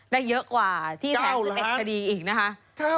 ได้เยอะกว่าที่แท้ง๑๑คดีอีกนะคะ